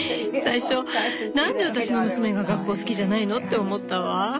最初「何で私の娘が学校好きじゃないの？」って思ったわ。